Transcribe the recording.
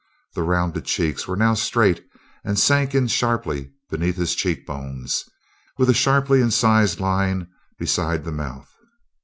The rounded cheeks were now straight and sank in sharply beneath his cheek bones, with a sharply incised line beside the mouth.